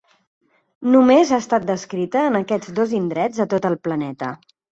Només ha estat descrita en aquests dos indrets a tot el planeta.